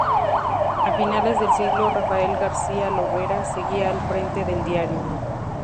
A finales del siglo Rafael García Lovera seguía al frente del diario.